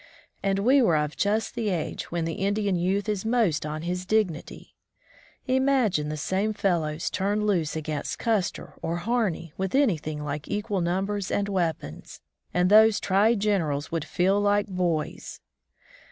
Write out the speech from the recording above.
And we were of just the age when the Indian youth is most on his dignity ! Imag ine the same fellows turned loose against Custer or Harney with anything like equal numbers and weapons, and those tried generals would feel like boys!